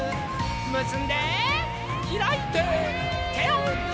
むすんでひらいててをうって。